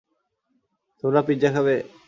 তোমরা পিজ্জা খাবে?